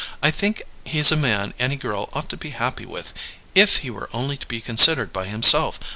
I think he's a man any girl ought to be happy with, if he were only to be considered by himself.